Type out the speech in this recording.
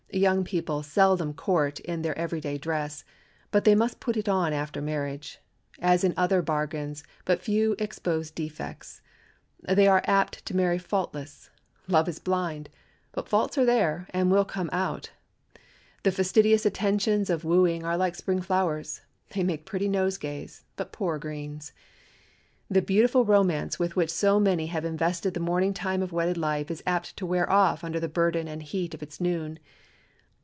Young people seldom court in their every day dress, but they must put it on after marriage. As in other bargains but few expose defects. They are apt to marry faultless. Love is blind, but faults are there and will come out. The fastidious attentions of wooing are like Spring flowers—they make pretty nosegays, but poor greens. The beautiful romance with which so many have invested the morning time of wedded life is apt to wear off under the burden and heat of its noon.